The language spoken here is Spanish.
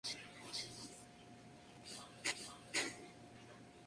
Ésta se desarrolla en tres cuerpos principales flanqueados por pilastras.